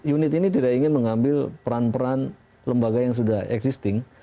unit ini tidak ingin mengambil peran peran lembaga yang sudah existing